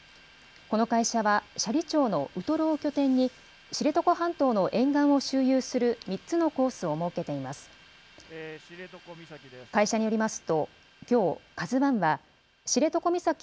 この会社は、斜里町のウトロを拠点に、知床半島の沿岸を周遊する３つのコースを設けています。